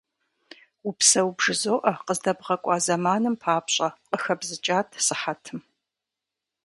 Упсэу бжызоӀэ, къыздэбгъэкӀуа зэманым папщӀэ, - къыхэбзыкӀат сыхьэтым.